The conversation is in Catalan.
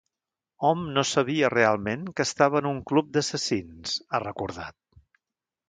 "Hom no sabia realment que estava en un club d'assassins", ha recordat.